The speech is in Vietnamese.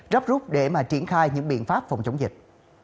rắp rút để triển khai những biện pháp phòng chống dịch